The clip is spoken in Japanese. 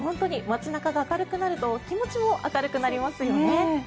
街中が明るくなると気持ちも明るくなりますよね。